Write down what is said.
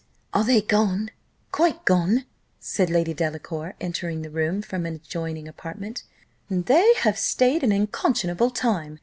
are they gone? quite gone?" said Lady Delacour, entering the room from an adjoining apartment; "they have stayed an unconscionable time.